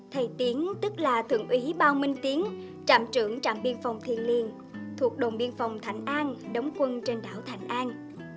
thầy tiến tức là thượng ủy bao minh tiến trạm trưởng trạm biên phòng thiên liên thuộc đồng biên phòng thành an đóng quân trên đảo thành an